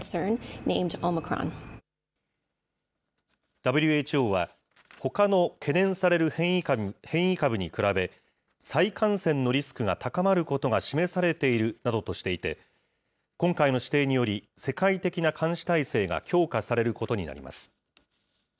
ＷＨＯは、ほかの懸念される変異株に比べ、再感染のリスクが高まることが示されているなどとしていて、今回の指定により世界的な監視態勢が強化されることになります。